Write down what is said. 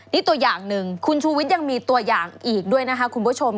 นี่ตัวอย่างหนึ่งคุณชูวิทย์ยังมีตัวอย่างอีกด้วยนะคะคุณผู้ชม